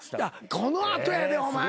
この後やでお前。